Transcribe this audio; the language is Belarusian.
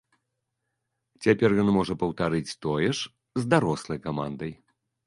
Цяпер ён можа паўтарыць тое ж з дарослай камандай.